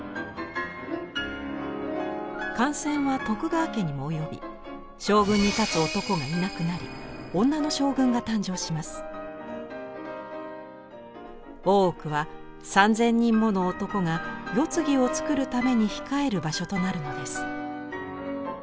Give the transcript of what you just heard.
感染は徳川家にも及び将軍に立つ男がいなくなり大奥は３，０００人もの男が世継ぎをつくるために控える場所となるのです。